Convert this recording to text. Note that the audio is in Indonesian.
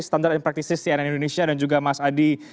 standar and practices cnn indonesia dan juga mas adi